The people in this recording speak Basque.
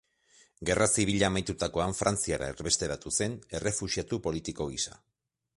Gerra Zibila amaitutakoan Frantziara erbesteratu zen, errefuxiatu politiko gisa.